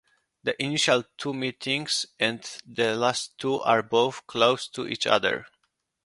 The initial two meetings and the last two are both close to each other.